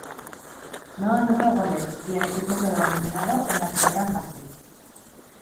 No anotó goles, y el equipo quedó eliminado en la primera fase.